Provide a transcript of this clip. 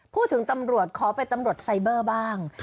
พูดถึงตำรวจขอเป็นตำรวจไซเบอร์บ้าง